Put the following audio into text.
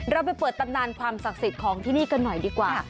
เราไปเปิดตำนานความศักดิ์สิทธิ์ของที่นี่กันหน่อยดีกว่า